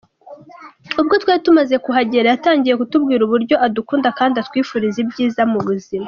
Ubwo twari tumaze kuhagera yatangiye kutubwira uburyo adukunda kandi atwifuriza ibyiza mu buzima.